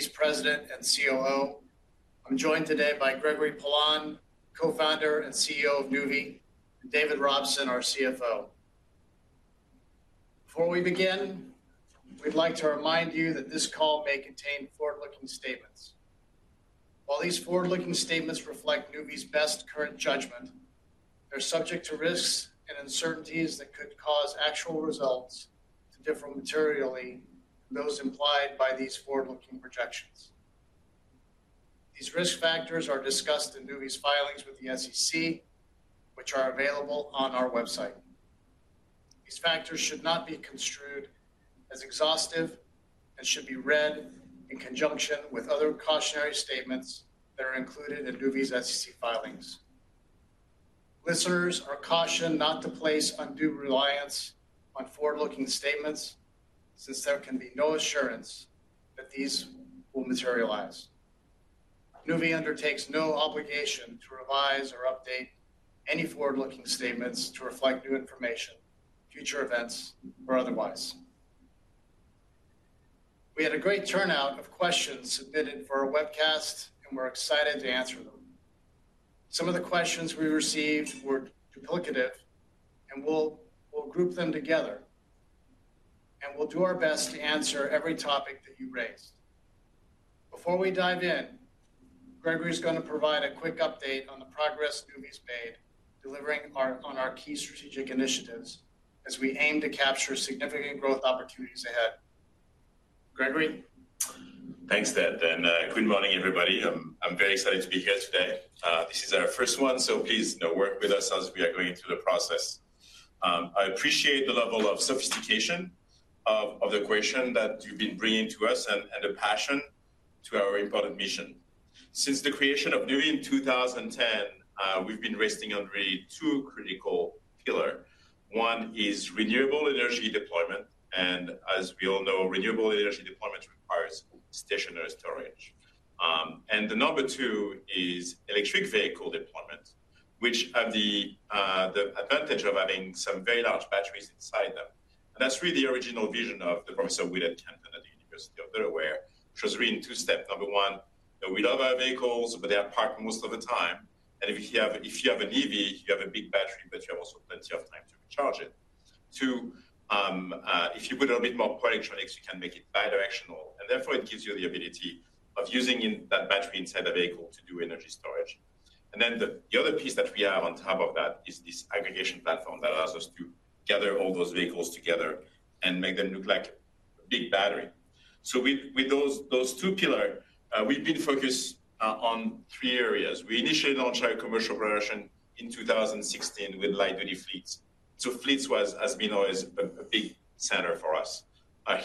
Vice President and COO. I'm joined today by Gregory Poilasne, co-founder and CEO of Nuvve, and David Robson, our CFO. Before we begin, we'd like to remind you that this call may contain forward-looking statements. While these forward-looking statements reflect Nuvve's best current judgment, they're subject to risks and uncertainties that could cause actual results to differ materially from those implied by these forward-looking projections. These risk factors are discussed in Nuvve's filings with the SEC, which are available on our website. These factors should not be construed as exhaustive, and should be read in conjunction with other cautionary statements that are included in Nuvve's SEC filings. Listeners are cautioned not to place undue reliance on forward-looking statements, since there can be no assurance that these will materialize. Nuvve undertakes no obligation to revise or update any forward-looking statements to reflect new information, future events, or otherwise. We had a great turnout of questions submitted for our webcast, and we're excited to answer them. Some of the questions we received were duplicative, and we'll group them together, and we'll do our best to answer every topic that you raised. Before we dive in, Gregory is gonna provide a quick update on the progress Nuvve's made, delivering on our key strategic initiatives, as we aim to capture significant growth opportunities ahead. Gregory? Thanks, Ted, and good morning, everybody. I'm very excited to be here today. This is our first one, so please, you know, work with us as we are going through the process. I appreciate the level of sophistication of, of the question that you've been bringing to us and, and the passion to our important mission. Since the creation of Nuvve in 2010, we've been resting on really two critical pillar. One is renewable energy deployment, and as we all know, renewable energy deployment requires stationary storage. And the number two is electric vehicle deployment, which have the, the advantage of having some very large batteries inside them. And that's really the original vision of the person we had attended at the University of Delaware, which was really in two steps. Number one, that we love our vehicles, but they are parked most of the time, and if you have an EV, you have a big battery, but you have also plenty of time to recharge it. Two, if you put a little bit more electronics, you can make it bidirectional, and therefore, it gives you the ability of using in that battery inside the vehicle to do energy storage. And then the other piece that we have on top of that is this aggregation platform that allows us to gather all those vehicles together and make them look like a big battery. So with those two pillar, we've been focused on three areas. We initially launched our commercial version in 2016 with light-duty fleets. So fleets was, has been always a big center for us.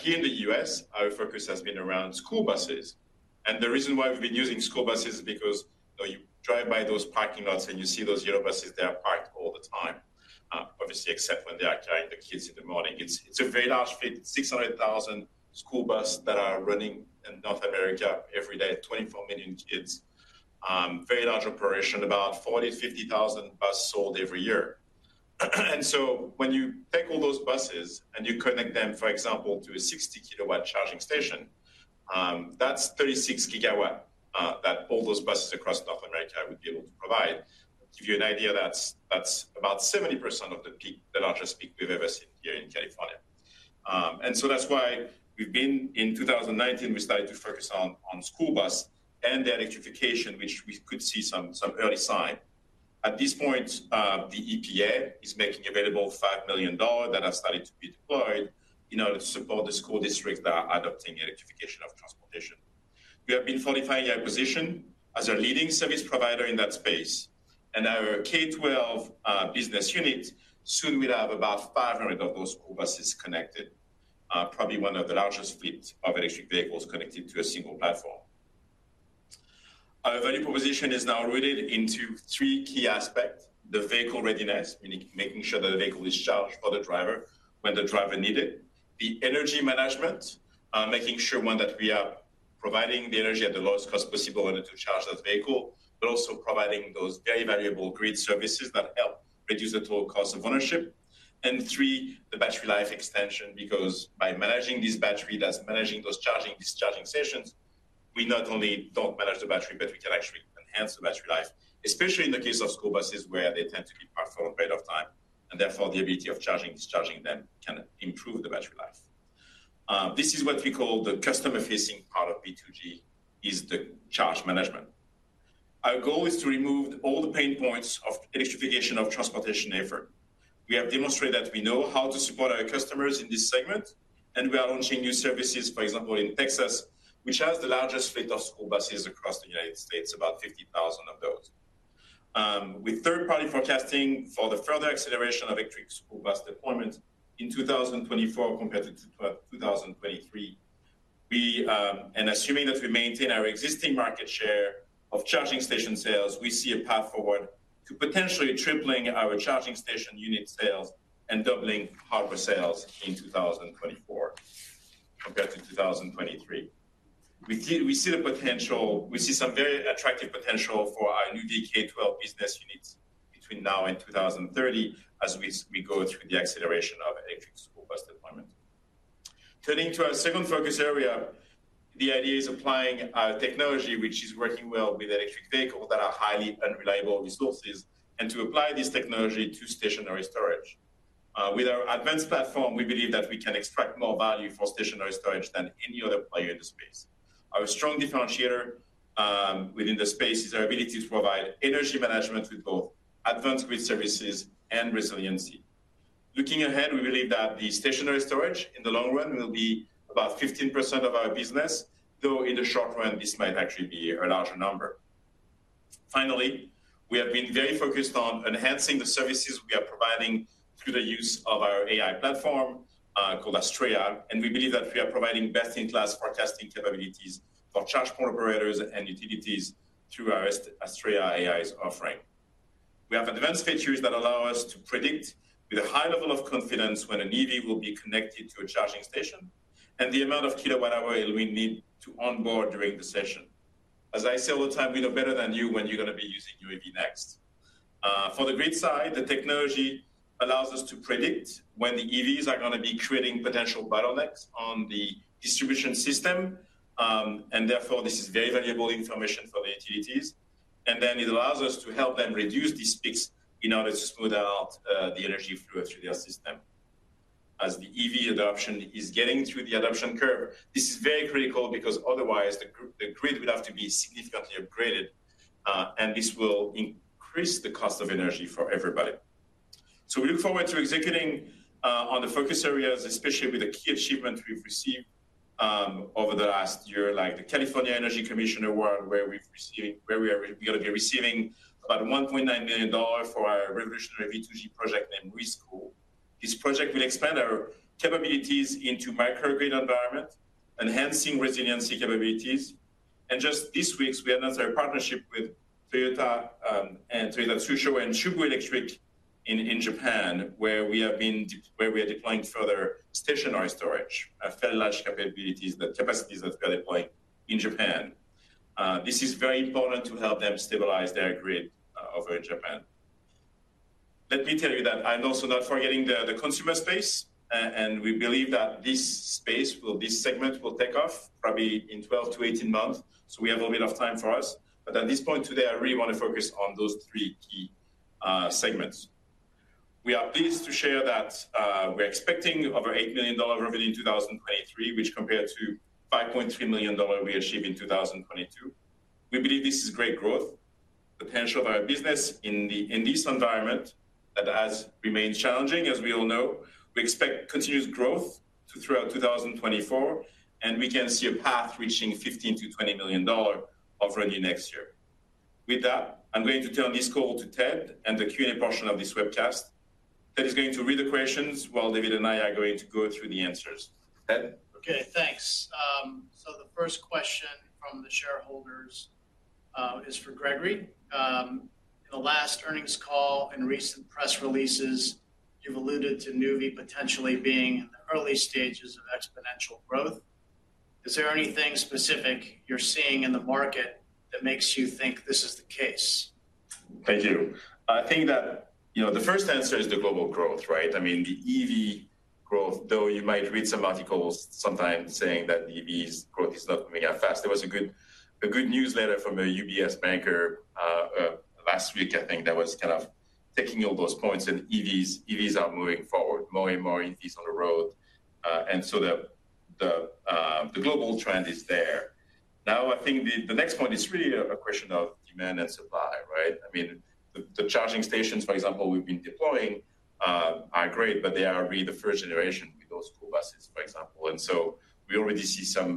Here in the US, our focus has been around school buses, and the reason why we've been using school buses is because, you know, you drive by those parking lots, and you see those yellow buses, they are parked all the time, obviously, except when they are carrying the kids in the morning. It's a very large fleet, 600,000 school buses that are running in North America every day, 24 million kids. Very large operation, about 40,000-50,000 buses sold every year. And so when you take all those buses and you connect them, for example, to a 60-kilowatt charging station, that's 36 gigawatts that all those buses across North America would be able to provide. To give you an idea, that's about 70% of the peak, the largest peak we've ever seen here in California. So that's why we've been. In 2019, we started to focus on school bus and the electrification, which we could see some early sign. At this point, the EPA is making available $5 million that have started to be deployed, you know, to support the school districts that are adopting electrification of transportation. We have been solidifying our position as a leading service provider in that space, and our K-12 business unit soon will have about 500 of those school buses connected, probably one of the largest fleet of electric vehicles connected to a single platform. Our value proposition is now rooted into three key aspects: the vehicle readiness, meaning making sure that the vehicle is charged for the driver when the driver need it. The energy management, making sure, one, that we are providing the energy at the lowest cost possible in order to charge that vehicle, but also providing those very valuable grid services that help reduce the total cost of ownership. And three, the battery life extension, because by managing this battery, that's managing those charging, discharging sessions, we not only don't manage the battery, but we can actually enhance the battery life, especially in the case of school buses, where they tend to be parked for a period of time, and therefore, the ability of charging and discharging them can improve the battery life. This is what we call the customer-facing part of V2G, is the charge management. Our goal is to remove all the pain points of electrification of transportation effort. We have demonstrated that we know how to support our customers in this segment, and we are launching new services, for example, in Texas, which has the largest fleet of school buses across the United States, about 50,000 of those. With third-party forecasting for the further acceleration of electric school bus deployment in 2024 compared to 2023, we, and assuming that we maintain our existing market share of charging station sales, we see a path forward to potentially tripling our charging station unit sales and doubling hardware sales in 2024 compared to 2023. We see, we see the potential—we see some very attractive potential for our Nuvve K-12 business units between now and 2030, as we go through the acceleration of electric school bus deployment. Turning to our second focus area, the idea is applying technology which is working well with electric vehicles that are highly unreliable resources, and to apply this technology to stationary storage. With our advanced platform, we believe that we can extract more value for stationary storage than any other player in the space. Our strong differentiator within the space is our ability to provide energy management with both advanced grid services and resiliency. Looking ahead, we believe that the stationary storage, in the long run, will be about 15% of our business, though in the short run, this might actually be a larger number. Finally, we have been very focused on enhancing the services we are providing through the use of our AI platform called Astrea, and we believe that we are providing best-in-class forecasting capabilities for charge point operators and utilities through our Astrea AI's offering. We have advanced features that allow us to predict with a high level of confidence when an EV will be connected to a charging station, and the amount of kilowatt-hour we need to onboard during the session. As I say all the time, we know better than you when you're gonna be using your EV next. For the grid side, the technology allows us to predict when the EVs are gonna be creating potential bottlenecks on the distribution system, and therefore, this is very valuable information for the utilities. And then it allows us to help them reduce these peaks in order to smooth out the energy flow through their system. As the EV adoption is getting through the adoption curve, this is very critical because otherwise the grid would have to be significantly upgraded, and this will increase the cost of energy for everybody. So we look forward to executing on the focus areas, especially with the key achievements we've received over the last year, like the California Energy Commission award, where we've received, where we are gonna be receiving about $1.9 million for our revolutionary V2G project named RESCHOOL. This project will expand our capabilities into microgrid environment, enhancing resiliency capabilities. And just this week, we announced our partnership with Toyota, and Toyota Tsusho, and Chubu Electric in Japan, where we are deploying further stationary storage, large capabilities, the capacities that we are deploying in Japan. This is very important to help them stabilize their grid over in Japan. Let me tell you that I'm also not forgetting the consumer space, and we believe that this space will. This segment will take off probably in 12-18 months, so we have a little bit of time for us. But at this point today, I really want to focus on those three key segments. We are pleased to share that we're expecting over $8 million revenue in 2023, which compared to $5.3 million we achieved in 2022. We believe this is great growth potential of our business in this environment that has remained challenging, as we all know. We expect continuous growth throughout 2024, and we can see a path reaching $15 million-$20 million of revenue next year. With that, I'm going to turn this call to Ted and the Q&A portion of this webcast. Ted is going to read the questions while David and I are going to go through the answers. Ted? Okay, thanks. The first question from the shareholders is for Gregory. In the last earnings call and recent press releases, you've alluded to Nuvve potentially being in the early stages of exponential growth. Is there anything specific you're seeing in the market that makes you think this is the case? Thank you. I think that, you know, the first answer is the global growth, right? I mean, the EV growth, though, you might read some articles sometimes saying that the EVs growth is not coming out fast. There was a good newsletter from a UBS banker, last week, I think, that was kind of ticking all those points, and EVs, EVs are moving forward, more and more EVs on the road. And so the global trend is there. Now, I think the next point is really a question of demand and supply, right? I mean, the charging stations, for example, we've been deploying, are great, but they are really the first generation with those school buses, for example. And so we already see some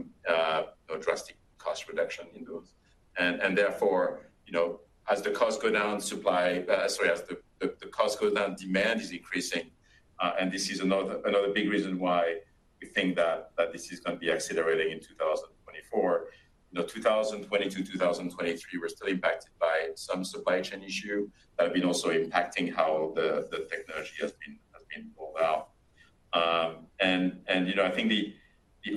drastic cost reduction in those. Therefore, you know, as the costs go down, demand is increasing, and this is another big reason why we think that this is gonna be accelerating in 2024. You know, 2022, 2023, we're still impacted by some supply chain issue that have been also impacting how the technology has been rolled out. And you know, I think the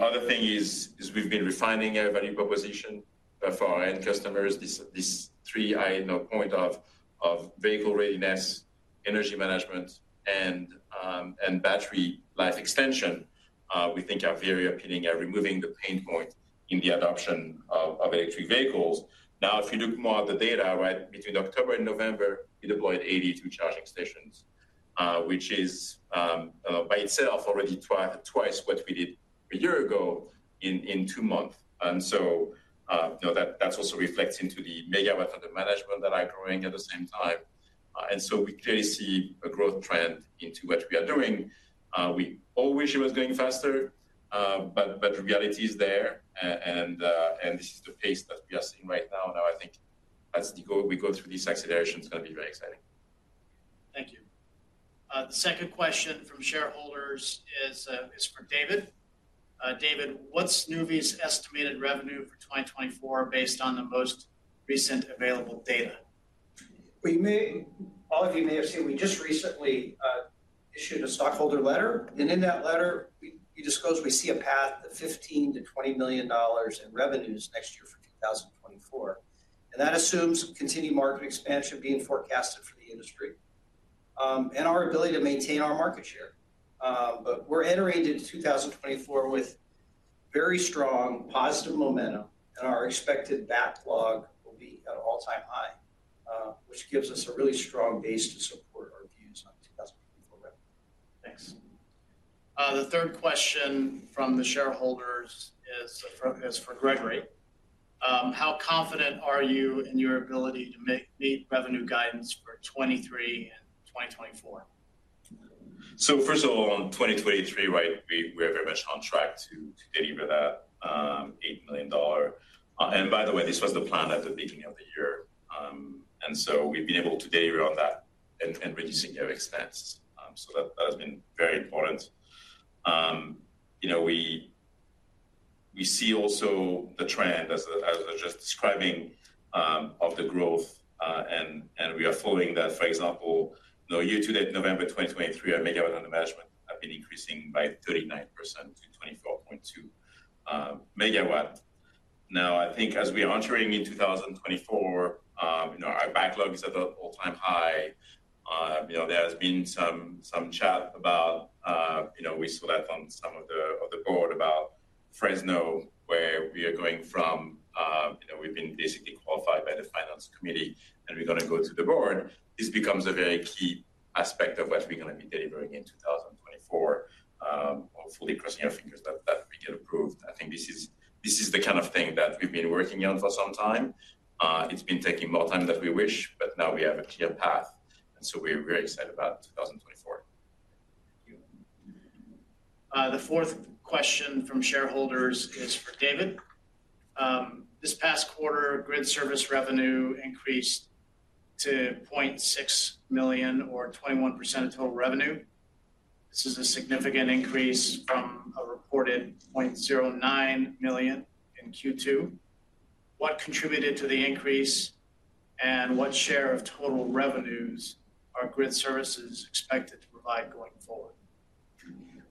other thing is we've been refining our value proposition for our end customers. This three-item point of vehicle readiness, energy management, and battery life extension we think are very appealing and removing the pain point in the adoption of electric vehicles. Now, if you look more at the data, right, between October and November, we deployed 82 charging stations, which is, by itself already twice what we did a year ago in two months. And so, you know, that also reflects into the megawatts under management that are growing at the same time. And so we clearly see a growth trend into what we are doing. We all wish it was going faster, but reality is there, and this is the pace that we are seeing right now. Now, I think as we go, we go through this acceleration, it's gonna be very exciting. Thank you. The second question from shareholders is for David. David, what's Nuvve's estimated revenue for 2024 based on the most recent available data? All of you may have seen, we just recently issued a stockholder letter, and in that letter, we, we disclosed we see a path of $15 million-$20 million in revenues next year for 2024. And that assumes continued market expansion being forecasted for the industry, and our ability to maintain our market share. But we're entering into 2024 with very strong positive momentum, and our expected backlog will be at an all-time high, which gives us a really strong base to support our views on 2024 revenue. Thanks. The third question from the shareholders is for Gregory. How confident are you in your ability to meet revenue guidance for 2023 and 2024? So first of all, on 2023, right, we are very much on track to deliver that $8 million. And by the way, this was the plan at the beginning of the year. And so we've been able to deliver on that and reducing our expenses. So that has been very important. You know, we see also the trend, as I was just describing, of the growth and we are following that. For example, year to date, November 2023, our megawatts under management have been increasing by 39% to 24.2 megawatt. Now, I think as we are entering 2024, you know, our backlog is at an all-time high. You know, there has been some chat about, you know, we saw that on some of the board about Fresno, where we are going from. You know, we've been basically qualified by the finance committee, and we're gonna go to the board. This becomes a very key aspect of what we're gonna be delivering in 2024. Hopefully, crossing our fingers that we get approved. I think this is, this is the kind of thing that we've been working on for some time. It's been taking more time than we wish, but now we have a clear path, and so we're very excited about 2024. Thank you. The fourth question from shareholders is for David. This past quarter, grid service revenue increased to $0.6 million or 21% of total revenue. This is a significant increase from a reported $0.09 million in Q2. What contributed to the increase, and what share of total revenues are grid services expected to provide going forward?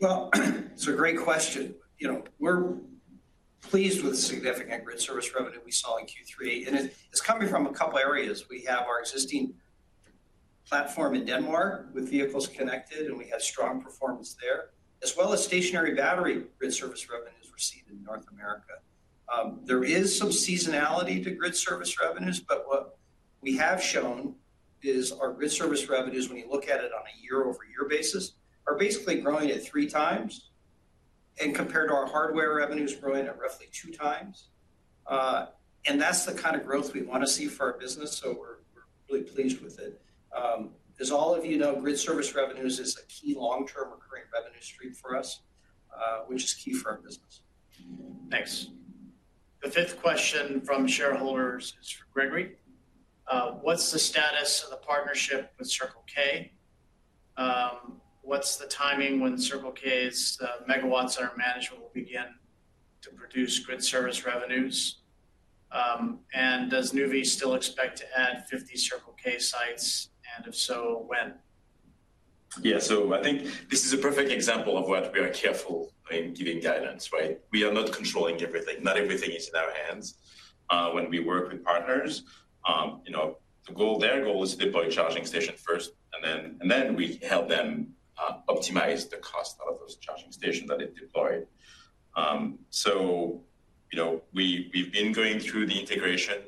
Well, it's a great question. You know, we're pleased with the significant grid service revenue we saw in Q3, and it, it's coming from a couple of areas. We have our existing platform in Denmark with vehicles connected, and we had strong performance there, as well as stationary battery grid service revenues received in North America. There is some seasonality to grid service revenues, but what we have shown is our grid service revenues, when you look at it on a year-over-year basis, are basically growing at three times, and compared to our hardware revenues, growing at roughly two times. And that's the kind of growth we want to see for our business, so we're, we're really pleased with it. As all of you know, grid service revenues is a key long-term recurring revenue stream for us, which is key for our business. Thanks. The fifth question from shareholders is for Gregory. What's the status of the partnership with Circle K? What's the timing when Circle K's megawatts under management will begin to produce grid service revenues? And does Nuvve still expect to add 50 Circle K sites, and if so, when? Yeah. So I think this is a perfect example of what we are careful in giving guidance, right? We are not controlling everything. Not everything is in our hands. When we work with partners, you know, their goal is to deploy a charging station first, and then we help them optimize the cost out of those charging stations that they deployed. So, you know, we've been going through the integration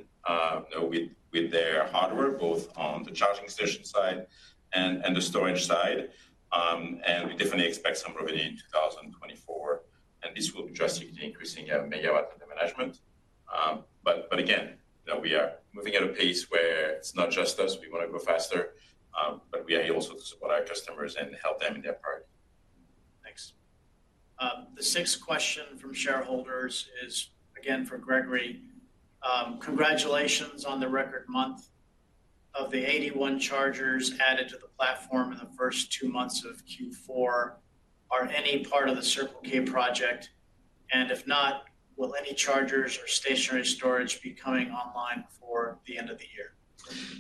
with their hardware, both on the charging station side and the storage side. And we definitely expect some revenue in 2024, and this will be drastically increasing our megawatts under management. But again, you know, we are moving at a pace where it's not just us. We want to go faster, but we are here also to support our customers and help them in their part. Thanks. The sixth question from shareholders is again for Gregory. Congratulations on the record month. Of the 81 chargers added to the platform in the first 2 months of Q4, are any part of the Circle K project? And if not, will any chargers or stationary storage be coming online before the end of the year?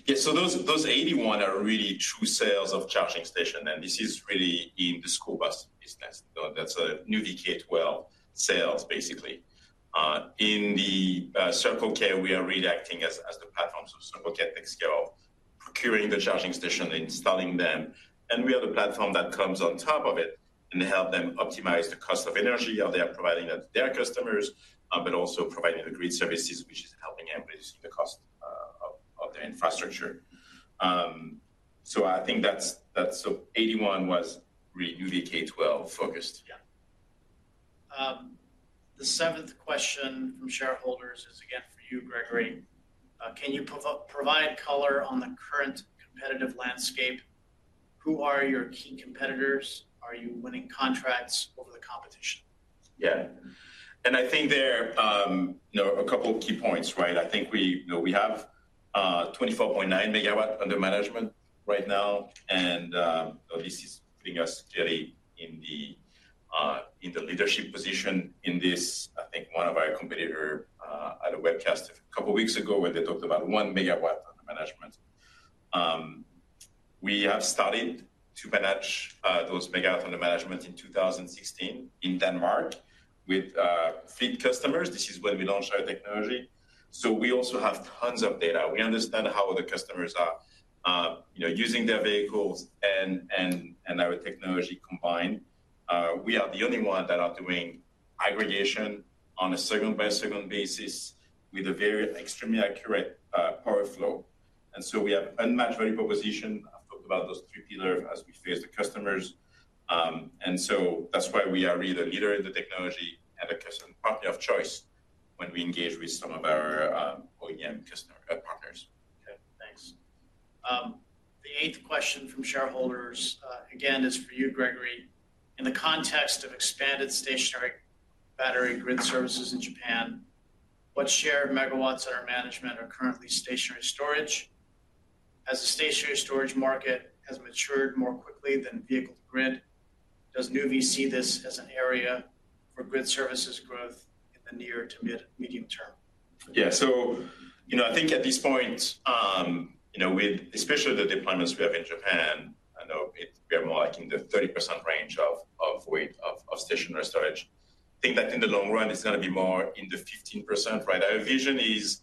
Yeah. So those 81 are really true sales of charging station, and this is really in the school bus business. That's a Nuvve K-12 sales, basically. In the Circle K, we are really acting as the platform. So Circle K takes care of procuring the charging station, installing them, and we are the platform that comes on top of it and help them optimize the cost of energy that they are providing to their customers, but also providing the grid services, which is helping them reduce the cost of their infrastructure. So I think that's... So 81 was really Nuvve K-12 focused. Yeah. The seventh question from shareholders is again for you, Gregory. Can you provide color on the current competitive landscape? Who are your key competitors? Are you winning contracts over the competition? Yeah. And I think there, you know, a couple of key points, right? I think we, you know, we have 24.9 megawatts under management right now, and this is putting us really in the leadership position in this. I think one of our competitor, at a webcast a couple of weeks ago, where they talked about 1 megawatt under management. We have started to manage those megawatts under management in 2016 in Denmark with fleet customers. This is when we launched our technology. So we also have tons of data. We understand how the customers are, you know, using their vehicles and our technology combined. We are the only one that are doing aggregation on a second-by-second basis with a very extremely accurate power flow. And so we have unmatched value proposition. I've talked about those three pillars as we face the customers. And so that's why we are really the leader in the technology and a customer-partner of choice when we engage with some of our OEM customer partners. Okay, thanks. The eighth question from shareholders, again, is for you, Gregory. In the context of expanded stationary battery grid services in Japan, what share of megawatts under management are currently stationary storage? As the stationary storage market has matured more quickly than vehicle-to-grid, does Nuvve see this as an area for grid services growth in the near- to medium-term? Yeah. So, you know, I think at this point, you know, with especially the deployments we have in Japan, I know we are more like in the 30% range of weight of stationary storage. I think that in the long run, it's gonna be more in the 15%, right? Our vision is,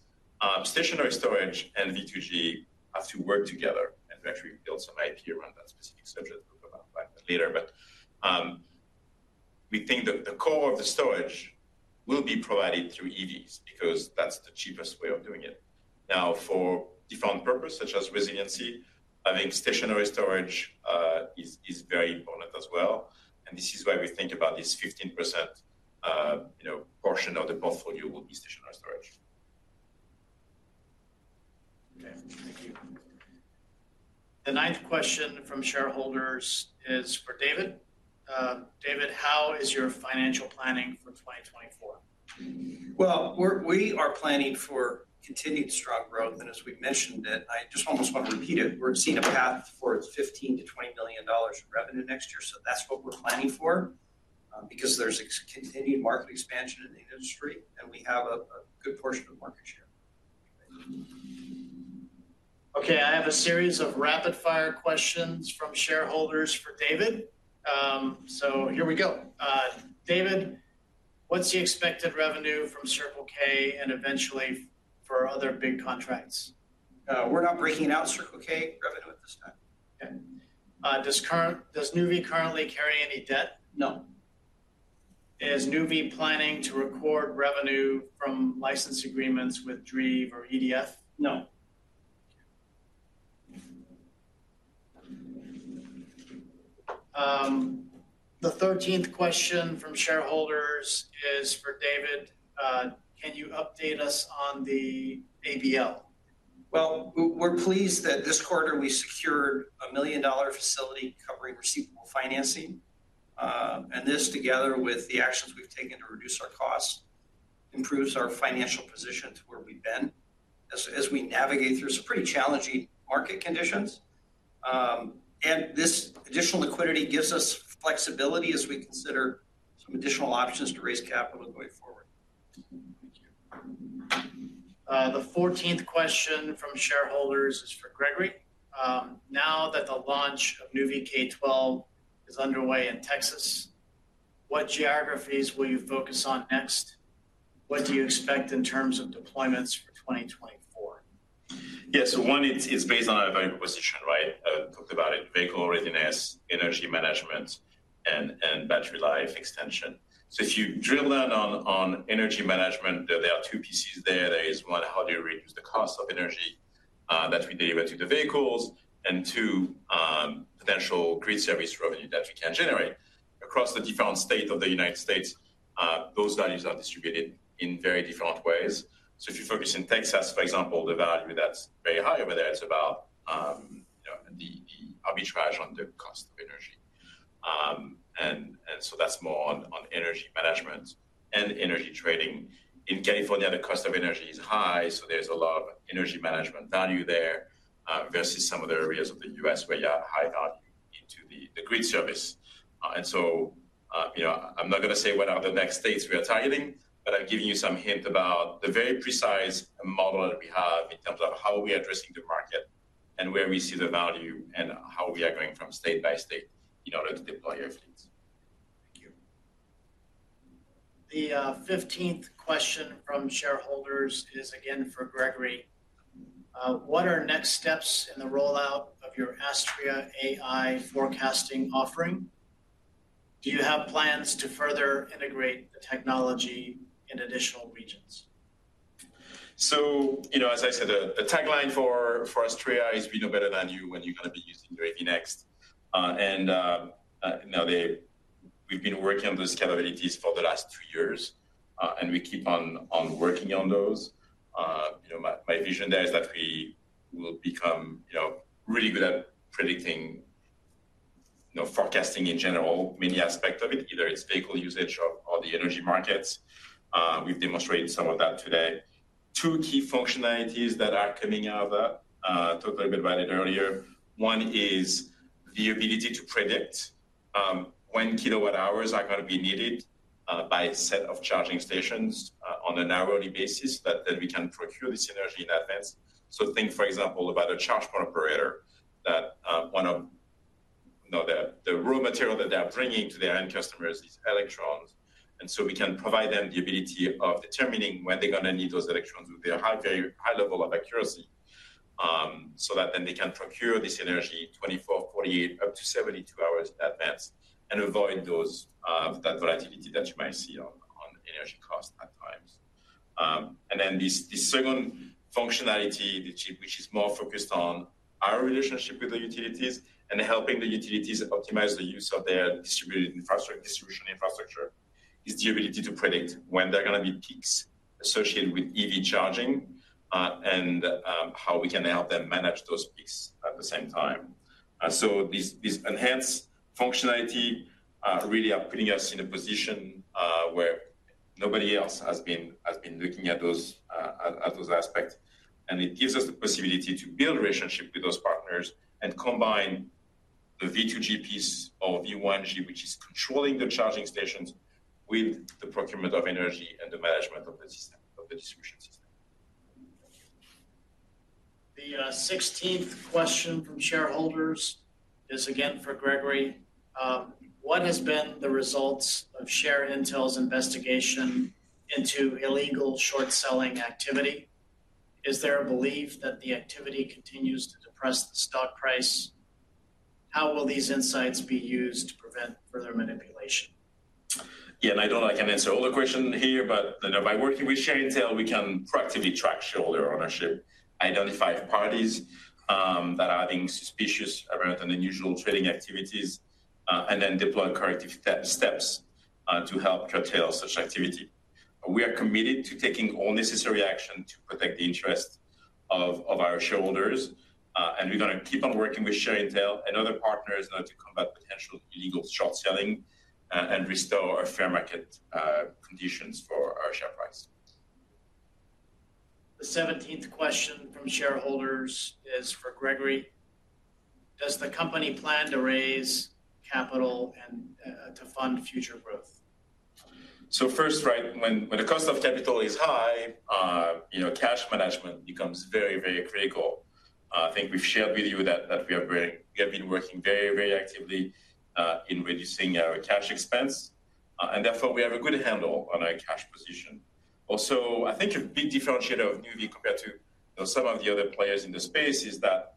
stationary storage and V2G have to work together, and we actually build some IP around that specific subject. We'll talk about that later. But, we think that the core of the storage will be provided through EVs because that's the cheapest way of doing it. Now, for different purposes, such as resiliency, I think stationary storage is very important as well, and this is why we think about this 15%, you know, portion of the portfolio will be stationary storage. Okay, thank you. The ninth question from shareholders is for David. David, how is your financial planning for 2024? Well, we are planning for continued strong growth, and as we've mentioned it, I just almost want to repeat it. We're seeing a path towards $15 billion-$20 billion in revenue next year, so that's what we're planning for, because there's continued market expansion in the industry, and we have a good portion of market share. Okay, I have a series of rapid-fire questions from shareholders for David. So here we go. David, what's the expected revenue from Circle K and eventually for other big contracts? We're not breaking out Circle K revenue at this time. Okay. Does Nuvve currently carry any debt? No. Is Nuvve planning to record revenue from license agreements with Dreev or EDF? No. The 13th question from shareholders is for David. Can you update us on the ABL? Well, we're pleased that this quarter we secured a $1 million facility covering receivable financing. And this, together with the actions we've taken to reduce our costs, improves our financial position to where we've been as we navigate through some pretty challenging market conditions. And this additional liquidity gives us flexibility as we consider some additional options to raise capital going forward. Thank you. The fourteenth question from shareholders is for Gregory. Now that the launch of Nuvve K-12 is underway in Texas, what geographies will you focus on next? What do you expect in terms of deployments for 2024? Yeah. So one is based on our value proposition, right? I talked about it, vehicle readiness, energy management, and battery life extension. So if you drill down on energy management, there are two pieces there. There is, one, how do you reduce the cost of energy that we deliver to the vehicles, and two, potential grid service revenue that we can generate. Across the different states of the United States, those values are distributed in very different ways. So if you focus in Texas, for example, the value that's very high over there is about, you know, the arbitrage on the cost of energy. And so that's more on energy management and energy trading. In California, the cost of energy is high, so there's a lot of energy management value there, versus some other areas of the U.S. where you have high value into the grid service. And so, you know, I'm not gonna say what are the next states we are targeting, but I've given you some hint about the very precise model that we have in terms of how we are addressing the market and where we see the value, and how we are going from state by state in order to deploy our fleets. Thank you. The fifteenth question from shareholders is again for Gregory. What are next steps in the rollout of your Astrea AI forecasting offering? Do you have plans to further integrate the technology in additional regions? So, you know, as I said, the tagline for Astrea is: We know better than you when you're gonna be using your EV next. Now we've been working on those capabilities for the last two years, and we keep on working on those. You know, my vision there is that we will become, you know, really good at predicting, you know, forecasting in general, many aspect of it, either it's vehicle usage or the energy markets. We've demonstrated some of that today... two key functionalities that are coming out of that, I talked a little bit about it earlier. One is the ability to predict when kilowatt hours are going to be needed by a set of charging stations on an hourly basis, that we can procure this energy in advance. So think, for example, about a charge point operator that want to know the raw material that they are bringing to their end customers is electrons, and so we can provide them the ability of determining when they're gonna need those electrons with a very high level of accuracy. So that then they can procure this energy 24, 48, up to 72 hours in advance and avoid that volatility that you might see on energy costs at times. And then this second functionality, which is more focused on our relationship with the utilities and helping the utilities optimize the use of their distributed infrastructure, distribution infrastructure, is the ability to predict when there are gonna be peaks associated with EV charging, and how we can help them manage those peaks at the same time. So these, these enhanced functionality really are putting us in a position where nobody else has been, has been looking at those, at those aspects. And it gives us the possibility to build relationship with those partners and combine the V2G piece of V1G, which is controlling the charging stations, with the procurement of energy and the management of the system, of the distribution system. The sixteenth question from shareholders is again for Gregory. What has been the results of ShareIntel's investigation into illegal short-selling activity? Is there a belief that the activity continues to depress the stock price? How will these insights be used to prevent further manipulation? Yeah, and I don't know I can answer all the question here, but, you know, by working with ShareIntel, we can proactively track shareholder ownership, identify parties that are acting suspicious around unusual trading activities, and then deploy corrective steps to help curtail such activity. We are committed to taking all necessary action to protect the interest of our shareholders, and we're gonna keep on working with ShareIntel and other partners now to combat potential illegal short selling, and restore our fair market conditions for our share price. The seventeenth question from shareholders is for Gregory: Does the company plan to raise capital and, to fund future growth? So first, right, when the cost of capital is high, you know, cash management becomes very, very critical. I think we've shared with you that we have been working very, very actively in reducing our cash expense and therefore, we have a good handle on our cash position. Also, I think a big differentiator of Nuvve compared to, you know, some of the other players in the space is that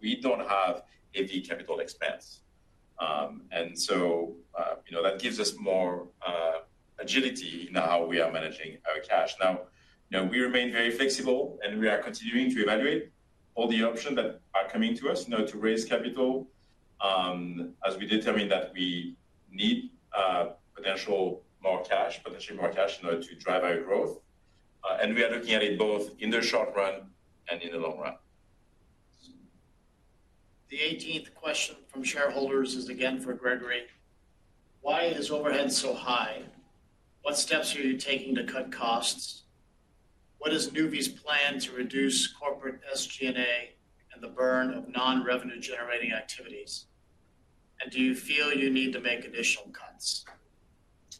we don't have EV capital expense. And so, you know, that gives us more agility in how we are managing our cash. Now, you know, we remain very flexible, and we are continuing to evaluate all the options that are coming to us, you know, to raise capital, as we determine that we need potential more cash, potentially more cash, you know, to drive our growth. And we are looking at it both in the short run and in the long run. The eighteenth question from shareholders is again for Gregory: Why is overhead so high? What steps are you taking to cut costs? What is Nuvve's plan to reduce corporate SG&A and the burn of non-revenue-generating activities? And do you feel you need to make additional cuts?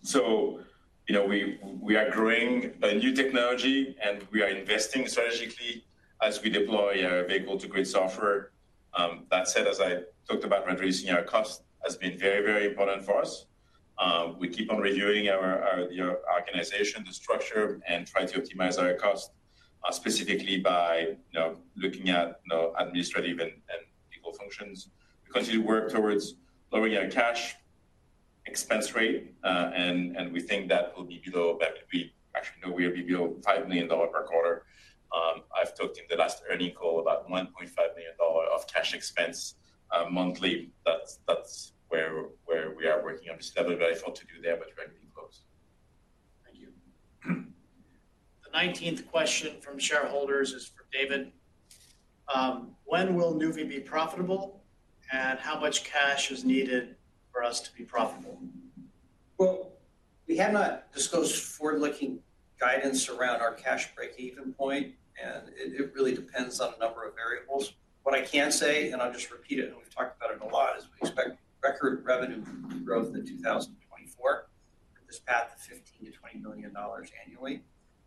So, you know, we are growing a new technology, and we are investing strategically as we deploy our vehicle-to-grid software. That said, as I talked about, reducing our cost has been very, very important for us. We keep on reviewing our organization, the structure, and try to optimize our cost, specifically by looking at administrative and people functions. We continue to work towards lowering our cash expense rate, and we think that will be below. That will be. Actually, no, we will be below $5 million per quarter. I've talked in the last earnings call about $1.5 million of cash expense monthly. That's where we are working on. Still have a very far to do there, but we're getting close. Thank you. The nineteenth question from shareholders is for David. When will Nuvve be profitable, and how much cash is needed for us to be profitable? Well, we have not disclosed forward-looking guidance around our cash break-even point, and it, it really depends on a number of variables. What I can say, and I'll just repeat it, and we've talked about it a lot, is we expect record revenue growth in 2024 at this path of $15 million-$20 million annually.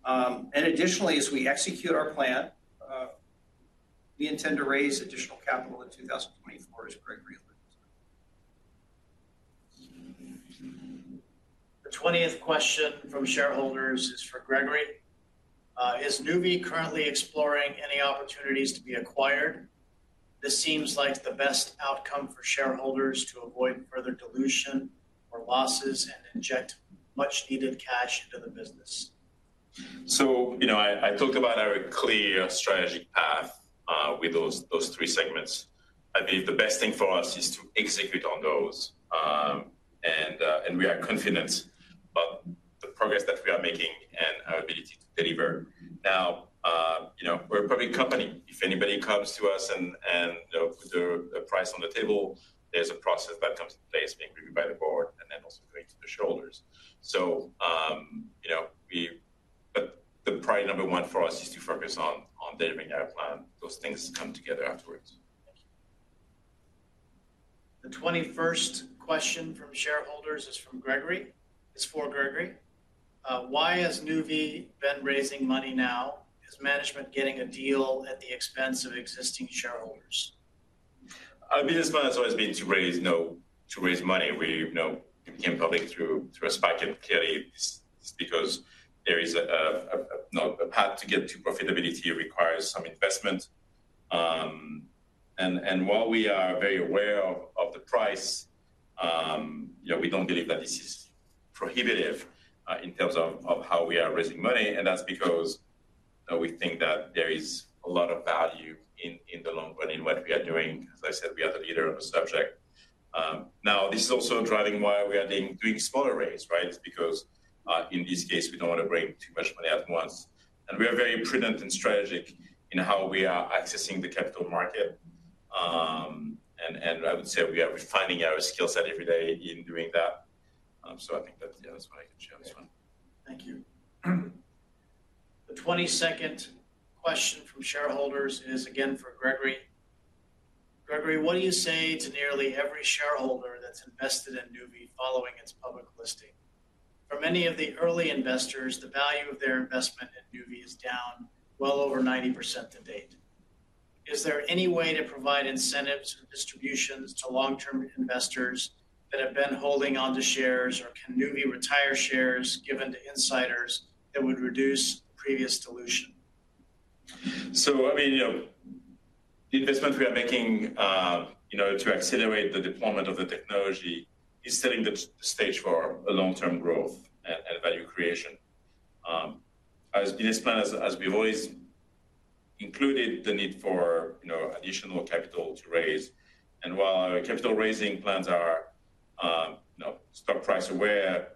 And additionally, as we execute our plan, we intend to raise additional capital in 2024, as Gregory alluded to. The twentieth question from shareholders is for Gregory. Is Nuvve currently exploring any opportunities to be acquired? This seems like the best outcome for shareholders to avoid further dilution or losses and inject much-needed cash into the business. So, you know, I talked about our clear strategic path with those three segments. I believe the best thing for us is to execute on those and we are confident about the progress that we are making and our ability to deliver. Every company, if anybody comes to us and put a price on the table, there's a process that comes in place being reviewed by the board and then also going to the shareholders. So, you know, but the priority number one for us is to focus on delivering our plan. Those things come together afterwards. Thank you. The 21st question from shareholders is from Gregory. It's for Gregory: Why has Nuvve been raising money now? Is management getting a deal at the expense of existing shareholders? Our business plan has always been to raise money. We, you know, we became public through a SPAC because there is a path to get to profitability requires some investment. And while we are very aware of the price, you know, we don't believe that this is prohibitive in terms of how we are raising money, and that's because we think that there is a lot of value in the long run in what we are doing. As I said, we are the leader of the subject. Now, this is also driving why we are doing smaller raise, right? Because in this case, we don't want to bring too much money at once. We are very prudent and strategic in how we are accessing the capital market. I would say we are refining our skill set every day in doing that. I think that's, yeah, that's what I can share on this one. Thank you. The 22nd question from shareholders is again for Gregory. Gregory, what do you say to nearly every shareholder that's invested in Nuvve following its public listing? For many of the early investors, the value of their investment in Nuvve is down well over 90% to date. Is there any way to provide incentives or distributions to long-term investors that have been holding onto shares, or can Nuvve retire shares given to insiders that would reduce previous dilution? So I mean, you know, the investment we are making, you know, to accelerate the deployment of the technology is setting the stage for a long-term growth and value creation. As our business plan has always included the need for, you know, additional capital to raise, and while our capital raising plans are, you know, stock price aware,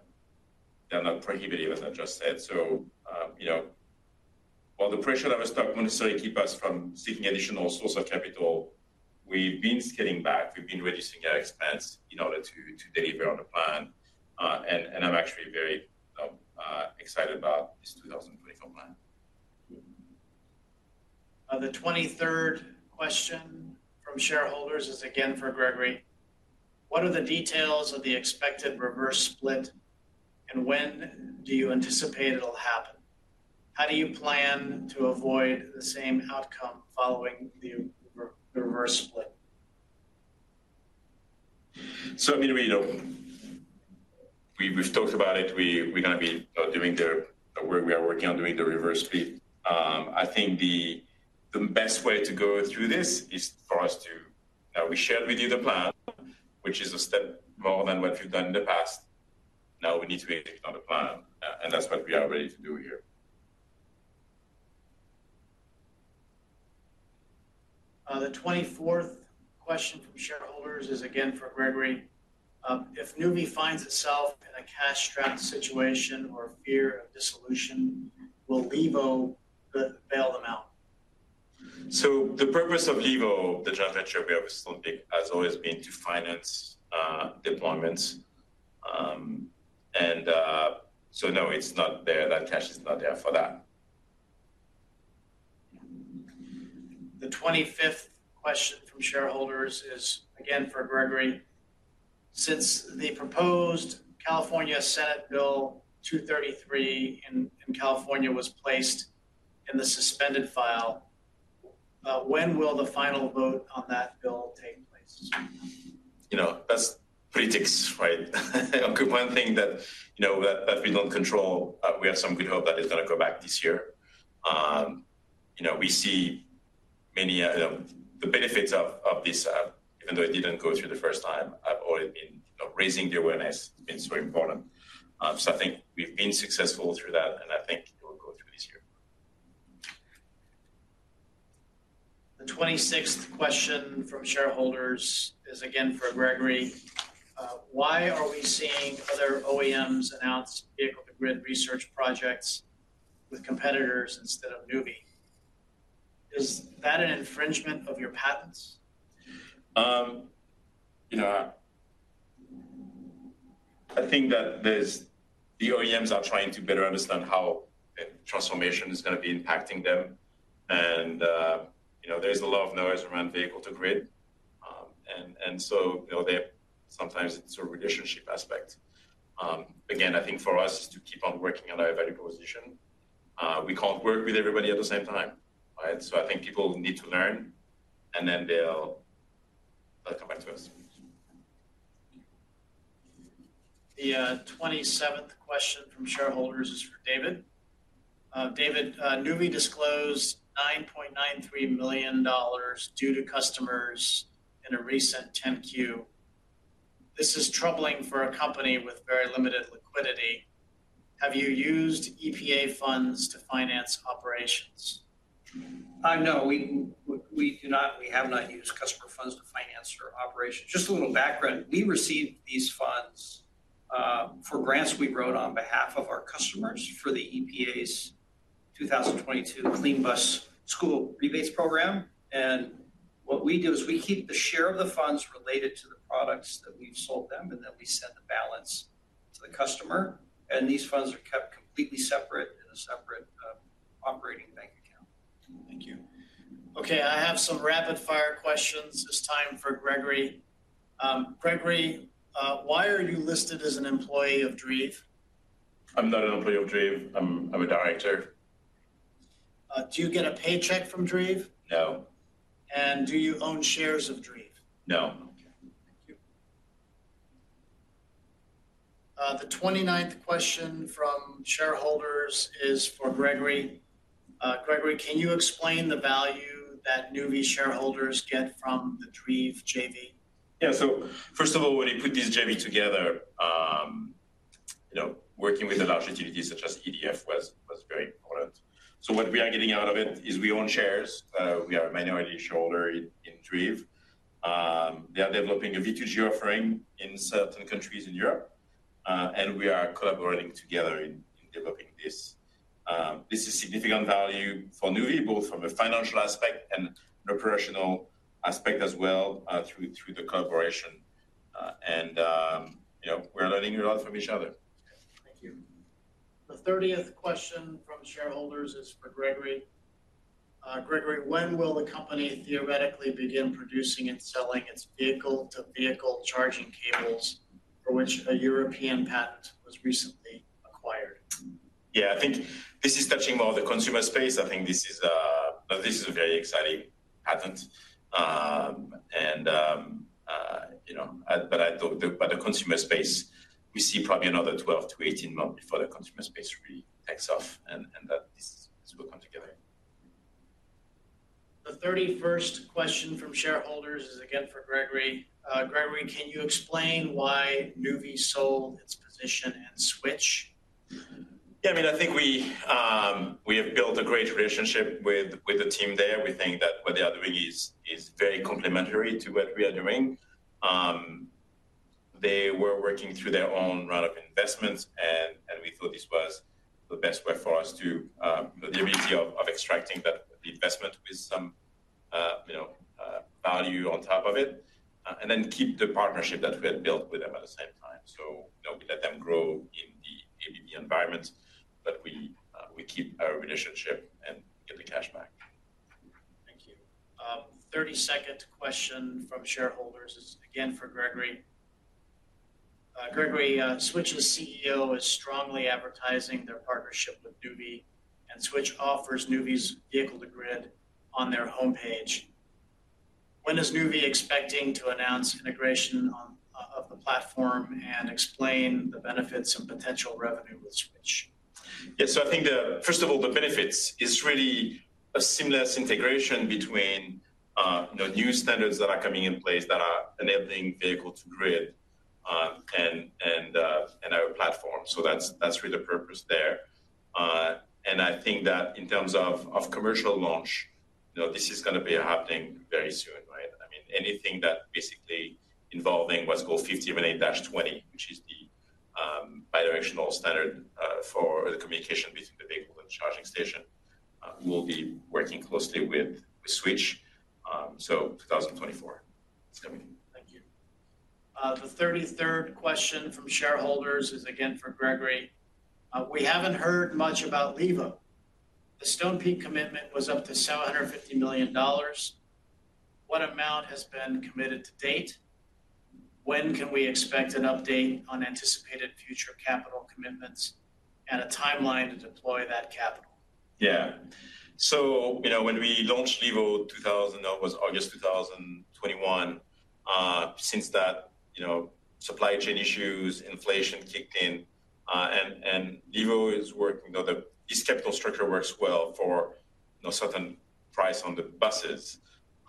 they're not prohibitive, as I just said. So, you know, while the current stock price level wouldn't necessarily keep us from seeking additional source of capital, we've been scaling back. We've been reducing our expenses in order to deliver on the plan. And I'm actually very excited about this 2024 plan. The 23rd question from shareholders is again for Gregory: What are the details of the expected reverse split, and when do you anticipate it'll happen? How do you plan to avoid the same outcome following the re-reverse split? So, I mean, we know. We've talked about it. We're gonna be doing the reverse split. We are working on doing the reverse split. I think the best way to go through this is for us to. We shared with you the plan, which is a step more than what we've done in the past. Now we need to execute on the plan, and that's what we are ready to do here. The 24th question from shareholders is again for Gregory. If Nuvve finds itself in a cash-strapped situation or fear of dissolution, will Levo bail them out? So the purpose of Levo, the joint venture we have with Stonepeak, has always been to finance deployments. So, no, it's not there. That cash is not there for that. The 25th question from shareholders is again for Gregory. Since the proposed California Senate Bill 233 in California was placed in the suspended file, when will the final vote on that bill take place? You know, that's politics, right? One thing that, you know, that we don't control, we have some good hope that it's gonna go back this year. You know, we see many the benefits of this, even though it didn't go through the first time, I've always been, you know, raising the awareness. It's been very important. So I think we've been successful through that, and I think it will go through this year. The 26th question from shareholders is again for Gregory. Why are we seeing other OEMs announce vehicle-to-grid research projects with competitors instead of Nuvve? Is that an infringement of your patents? You know, I think that there's the OEMs are trying to better understand how transformation is gonna be impacting them, and, you know, there's a lot of noise around vehicle-to-grid. And so, you know, they're sometimes it's a relationship aspect. Again, I think for us to keep on working on our value proposition, we can't work with everybody at the same time, right? So I think people need to learn, and then they'll come back to us. The twenty-seventh question from shareholders is for David. David, Nuvve disclosed $9.93 million due to customers in a recent 10-Q. This is troubling for a company with very limited liquidity. Have you used EPA funds to finance operations? No, we, we do not, we have not used customer funds to finance our operations. Just a little background, we received these funds for grants we wrote on behalf of our customers for the EPA's 2022 Clean School Bus Rebates program. What we do is we keep the share of the funds related to the products that we've sold them, and then we send the balance to the customer, and these funds are kept completely separate in a separate operating bank account. Thank you. Okay, I have some rapid-fire questions. It's time for Gregory. Gregory, why are you listed as an employee of Dreev? I'm not an employee of Dreev. I'm a director. Do you get a paycheck from Dreev? No. Do you own shares of Dreev? No. Okay, thank you. The 29th question from shareholders is for Gregory. Gregory, can you explain the value that Nuvve shareholders get from the Dreev JV? Yeah. So first of all, when we put this JV together, you know, working with a large entity such as EDF was very important. So what we are getting out of it is we own shares. We are a minority shareholder in Dreev. They are developing a V2G offering in certain countries in Europe, and we are collaborating together in developing this. This is significant value for Nuvve, both from a financial aspect and operational aspect as well, through the collaboration. And, you know, we're learning a lot from each other. Thank you. The 30th question from shareholders is for Gregory. Gregory, when will the company theoretically begin producing and selling its vehicle-to-vehicle charging cables for which a European patent was recently acquired? Yeah, I think this is touching more of the consumer space. I think this is a very exciting patent. And you know, but the consumer space, we see probably another 12-18 months before the consumer space really takes off, and that this will come together. The thirty-first question from shareholders is again for Gregory. Gregory, can you explain why Nuvve sold its position in SWTCH? Yeah, I mean, I think we have built a great relationship with the team there. We think that what they are doing is very complementary to what we are doing. They were working through their own round of investments, and we thought this was the best way for us to extract the investment with some value on top of it and then keep the partnership that we had built with them at the same time. So, you know, we let them grow in the ABB environment, but we keep our relationship and get the cash back. Thank you. 32nd question from shareholders is again for Gregory. Gregory, SWTCH's CEO is strongly advertising their partnership with Nuvve, and SWTCH offers Nuvve's vehicle-to-grid on their homepage. When is Nuvve expecting to announce integration on of the platform and explain the benefits and potential revenue with SWTCH? Yeah. So I think the first of all, the benefits is really a seamless integration between, you know, new standards that are coming in place that are enabling vehicle-to-grid, and our platform. So that's, that's really the purpose there. And I think that in terms of commercial launch, you know, this is gonna be happening very soon, right? I mean, anything that basically involving what's called 15118-20, which is the bidirectional standard for the communication between the vehicle and charging station. We'll be working closely with SWTCH. So 2024, it's coming. Thank you. The 33rd question from shareholders is again for Gregory. We haven't heard much about Levo. The Stonepeak commitment was up to $750 million. What amount has been committed to date? When can we expect an update on anticipated future capital commitments and a timeline to deploy that capital? Yeah. So, you know, when we launched Levo, 2021... That was August 2021. Since that, you know, supply chain issues, inflation kicked in, and Levo is working. You know, this capital structure works well for no certain price on the buses,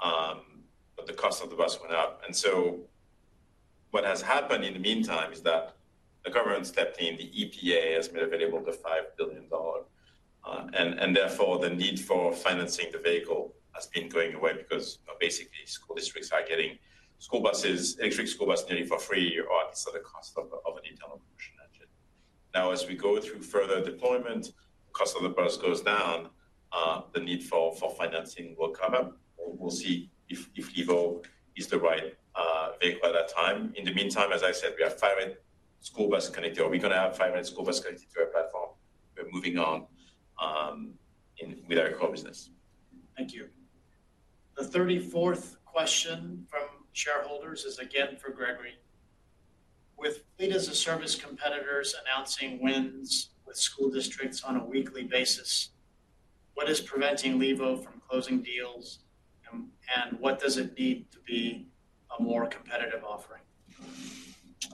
but the cost of the bus went up. And so what has happened in the meantime is that the government stepped in, the EPA has made available the $5 billion, and therefore, the need for financing the vehicle has been going away because basically, school districts are getting school buses, electric school buses nearly for free or at the cost of an internal combustion engine. Now, as we go through further deployment, cost of the bus goes down, the need for financing will come up. We'll see if Levo is the right vehicle at that time. In the meantime, as I said, we have five school bus connector. We're gonna have five school bus connected to our platform. We're moving on in with our core business. Thank you. The 34th question from shareholders is again for Gregory. With Fleet-as-a-Service competitors announcing wins with school districts on a weekly basis, what is preventing Levo from closing deals, and what does it need to be a more competitive offering?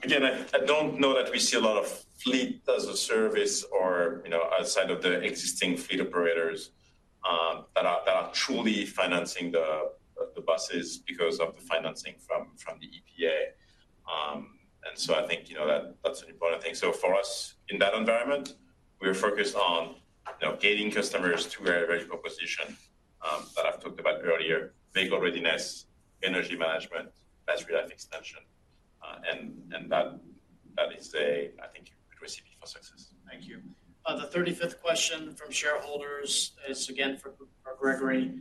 Again, I don't know that we see a lot of fleet as a service or, you know, outside of the existing fleet operators, that are truly financing the buses because of the financing from the EPA. And so I think, you know, that that's an important thing. So for us, in that environment, we are focused on you know, getting customers to our value proposition, that I've talked about earlier, vehicle readiness, energy management, battery life extension, and that is a, I think, a good recipe for success. Thank you. The thirty-fifth question from shareholders is again for Gregory.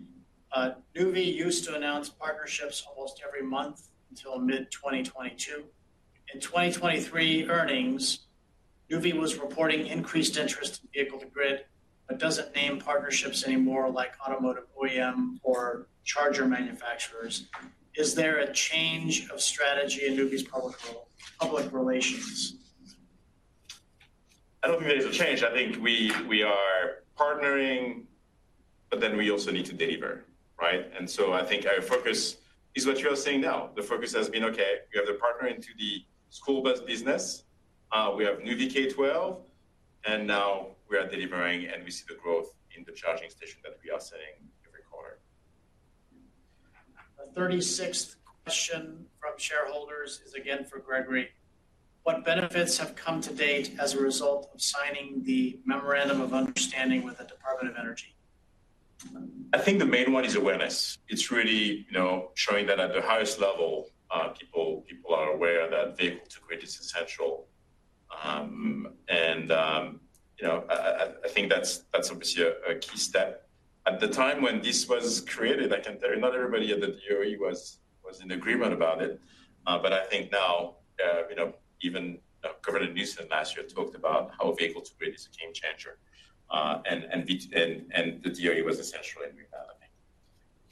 Nuvve used to announce partnerships almost every month until mid-2022. In 2023 earnings, Nuvve was reporting increased interest in vehicle-to-grid, but doesn't name partnerships anymore, like automotive OEM or charger manufacturers. Is there a change of strategy in Nuvve's public relations? I don't think there is a change. I think we are partnering, but then we also need to deliver, right? And so I think our focus is what you are seeing now. The focus has been, okay, we have the partner into the school bus business, we have Nuvve K-12, and now we are delivering, and we see the growth in the charging station that we are seeing every quarter. The 36th question from shareholders is again for Gregory: What benefits have come to date as a result of signing the memorandum of understanding with the Department of Energy? I think the main one is awareness. It's really, you know, showing that at the highest level, people are aware that vehicle-to-grid is essential. And you know, I think that's obviously a key step. At the time when this was created, I can tell you not everybody at the DOE was in agreement about it. But I think now, you know, even Governor Newsom last year talked about how vehicle-to-grid is a game changer, and the DOE was essential in that, I think.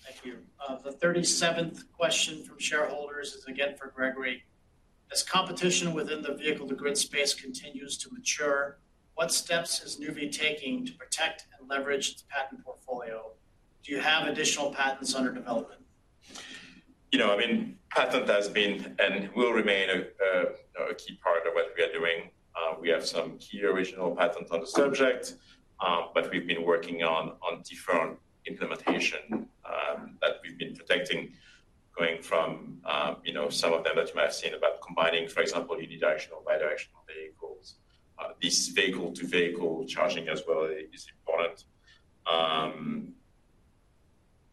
Thank you. The 37th question from shareholders is again for Gregory: As competition within the vehicle-to-grid space continues to mature, what steps is Nuvve taking to protect and leverage its patent portfolio? Do you have additional patents under development? You know, I mean, patent has been and will remain a key part of what we are doing. We have some key original patents on the subject, but we've been working on different implementation that we've been protecting, going from, you know, some of them that you may have seen about combining, for example, unidirectional, bidirectional vehicles. This vehicle-to-vehicle charging as well is important.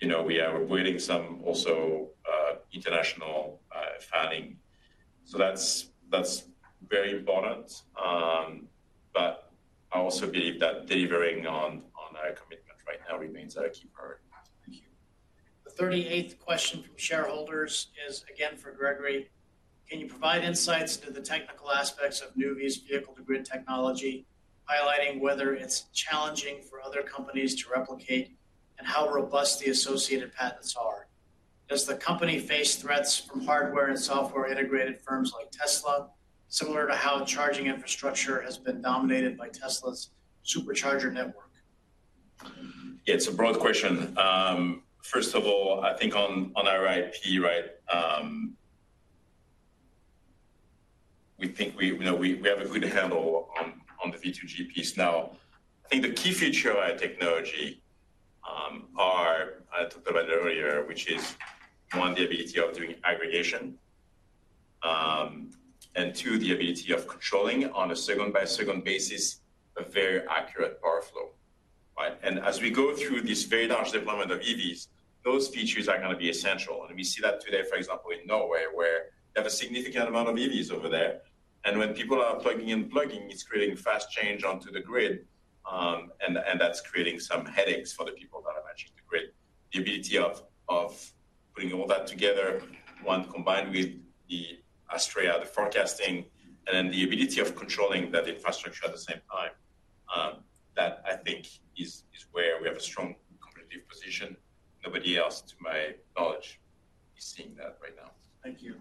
You know, we are awaiting some also international filing. So that's very important, but I also believe that delivering on our commitment right now remains a key part. Thank you. The 38th question from shareholders is again for Gregory: Can you provide insights into the technical aspects of Nuvve's vehicle-to-grid technology, highlighting whether it's challenging for other companies to replicate and how robust the associated patents are? Does the company face threats from hardware and software-integrated firms like Tesla, similar to how charging infrastructure has been dominated by Tesla's Supercharger network? It's a broad question. First of all, I think on, on our IP, right, we think we, you know, we, we have a good handle on, on the V2G piece. Now, I think the key feature of our technology, are, I talked about earlier, which is, one, the ability of doing aggregation, and two, the ability of controlling on a second-by-second basis, a very accurate power flow, right? And as we go through this very large deployment of EVs, those features are gonna be essential. And we see that today, for example, in Norway, where they have a significant amount of EVs over there, and when people are plugging and plugging, it's creating fast change onto the grid, and, and that's creating some headaches for the people that are managing the grid. The ability of putting all that together, combined with the Astrea, the forecasting, and then the ability of controlling that infrastructure at the same time, that I think is where we have a strong competitive position. Nobody else, to my knowledge, is seeing that right now. Thank you.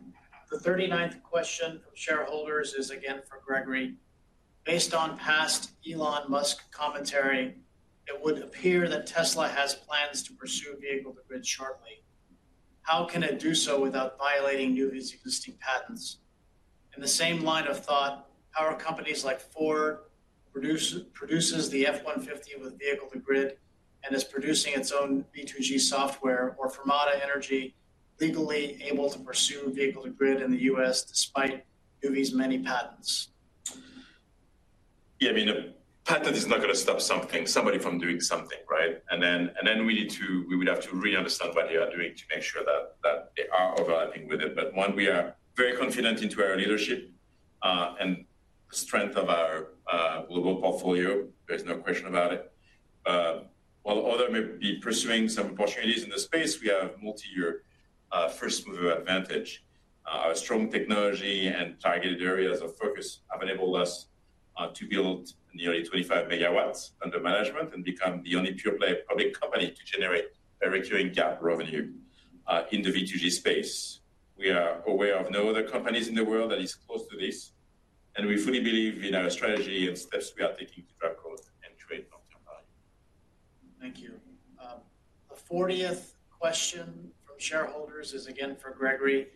The 39th question from shareholders is again for Gregory: Based on past Elon Musk commentary, it would appear that Tesla has plans to pursue vehicle-to-grid shortly. How can it do so without violating Nuvve's existing patents? In the same line of thought, how are companies like Ford, produces the F-150 with vehicle-to-grid and is producing its own V2G software or Fermata Energy, legally able to pursue vehicle-to-grid in the U.S. despite Nuvve's many patents? Yeah, I mean, a patent is not gonna stop somebody from doing something, right? And then we would have to really understand what they are doing to make sure that they are overlapping with it. But we are very confident in our leadership and the strength of our global portfolio. There's no question about it. While others may be pursuing some opportunities in this space, we have multi-year first-mover advantage. Strong technology and targeted areas of focus have enabled us to build nearly 25 megawatts under management and become the only pure-play public company to generate a recurring GAAP revenue in the V2G space. We are aware of no other companies in the world that is close to this, and we fully believe in our strategy and steps we are taking to drive growth and create long-term value. Thank you. The 40th question from shareholders is again for Gregory: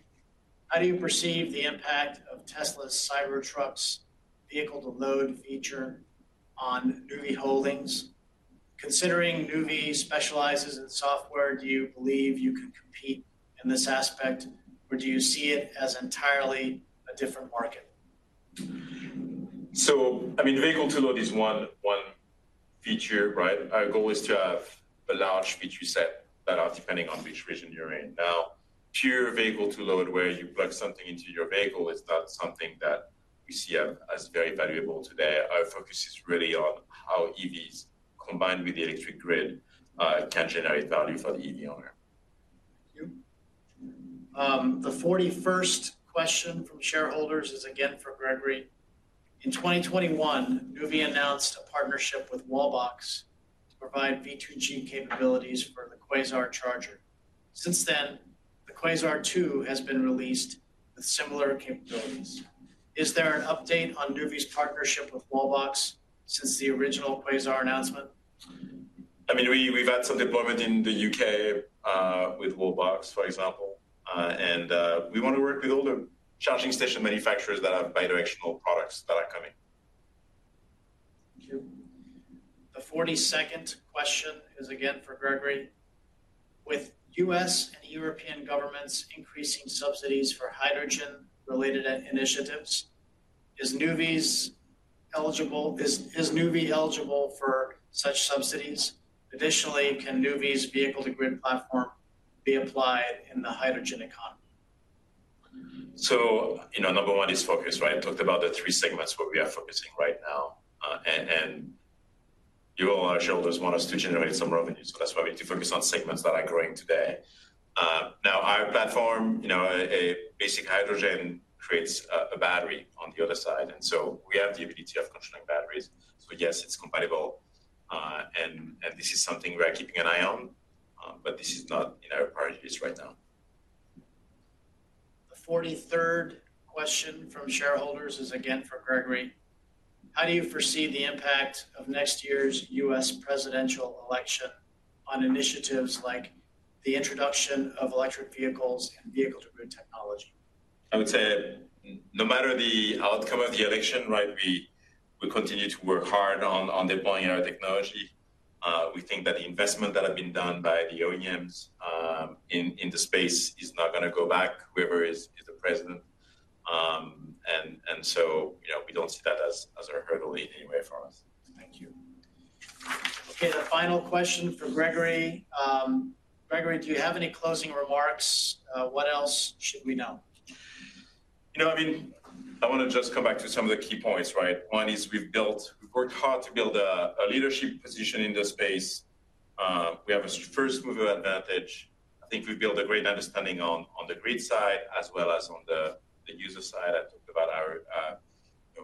How do you perceive the impact of Tesla's Cybertruck's vehicle-to-load feature on Nuvve Holding Corp.? Considering Nuvve specializes in software, do you believe you can compete in this aspect, or do you see it as entirely a different market? So, I mean, vehicle-to-load is one, one feature, right? Our goal is to have a large feature set that are depending on which region you're in. Now, pure vehicle-to-load, where you plug something into your vehicle, is not something that we see as, as very valuable today. Our focus is really on how EVs, combined with the electric grid, can generate value for the EV owner. Thank you. The 41st question from shareholders is again for Gregory. In 2021, Nuvve announced a partnership with Wallbox to provide V2G capabilities for the Quasar charger. Since then, the Quasar 2 has been released with similar capabilities. Is there an update on Nuvve's partnership with Wallbox since the original Quasar announcement? I mean, we've had some deployment in the UK with Wallbox, for example. And we want to work with all the charging station manufacturers that have bidirectional products that are coming. Thank you. The 42nd question is again for Gregory: With U.S. and European governments increasing subsidies for hydrogen-related initiatives, is Nuvve eligible for such subsidies? Additionally, can Nuvve's vehicle-to-grid platform be applied in the hydrogen economy? So, you know, number one is focus, right? I talked about the three segments where we are focusing right now. And you, all our shareholders, want us to generate some revenues, so that's why we need to focus on segments that are growing today. Now, our platform, you know, a basic hydrogen creates a battery on the other side, and so we have the ability to have functioning batteries. So yes, it's compatible, and this is something we are keeping an eye on, but this is not in our priorities right now. The forty-third question from shareholders is again for Gregory. How do you foresee the impact of next year's U.S. presidential election on initiatives like the introduction of electric vehicles and vehicle-to-grid technology? I would say no matter the outcome of the election, right, we, we continue to work hard on, on deploying our technology. We think that the investment that have been done by the OEMs in the space is not gonna go back, whoever is the president. And so, you know, we don't see that as a hurdle in any way for us. Thank you. Okay, the final question for Gregory. Gregory, do you have any closing remarks? What else should we know? You know, I mean, I wanna just come back to some of the key points, right? One is we've worked hard to build a leadership position in this space. We have a first-mover advantage. I think we've built a great understanding on the grid side, as well as on the user side. I talked about our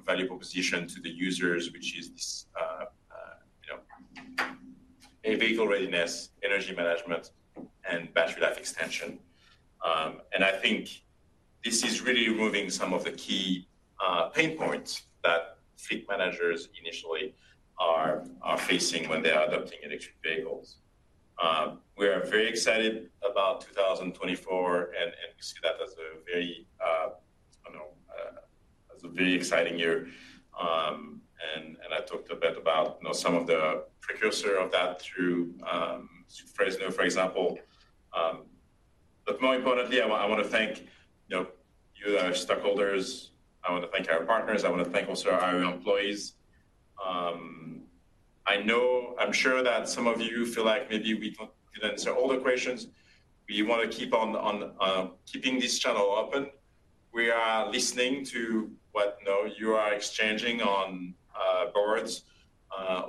valuable position to the users, which is, you know, a vehicle readiness, energy management, and battery life extension. And I think this is really removing some of the key pain points that fleet managers initially are facing when they are adopting electric vehicles. We are very excited about 2024, and we see that as a very, I don't know, as a very exciting year. And I talked a bit about, you know, some of the precursor of that through Fresno, for example. But more importantly, I wanna thank, you know, you, our stakeholders. I want to thank our partners. I want to thank also our employees. I know I'm sure that some of you feel like maybe we didn't answer all the questions, but you want to keep on keeping this channel open. We are listening to what, you know, you are exchanging on boards.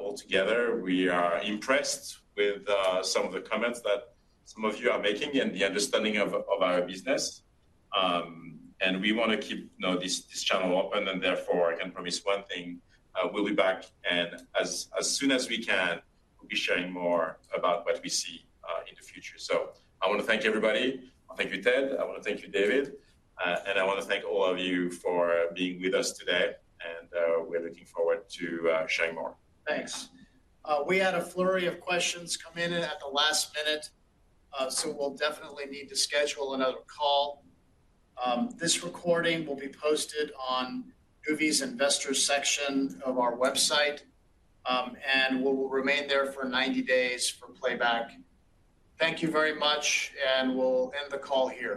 Altogether, we are impressed with some of the comments that some of you are making and the understanding of our business. And we wanna keep, you know, this, this channel open, and therefore, I can promise one thing, we'll be back, and as, as soon as we can, we'll be sharing more about what we see in the future. So I want to thank everybody. Thank you, Ted. I want to thank you, David, and I want to thank all of you for being with us today, and we're looking forward to sharing more. Thanks. We had a flurry of questions come in at the last minute, so we'll definitely need to schedule another call. This recording will be posted on Nuvve's Investors section of our website, and will remain there for 90 days for playback. Thank you very much, and we'll end the call here.